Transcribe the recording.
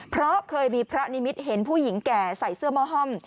เพราะเคยมีพระนิมิตเห็นผู้หญิงแก่ใส่เสื้อหม้อห้อม